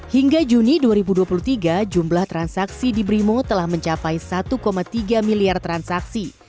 hingga juni dua ribu dua puluh tiga jumlah transaksi di brimo telah mencapai satu tiga miliar transaksi